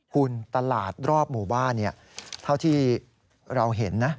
คุณตลาดรอบหมู่บ้านเท่าที่เราเห็นนะ